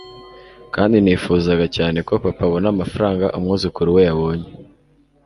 Kandi nifuzaga cyane ko Papa abona amafaranga umwuzukuru we yabonye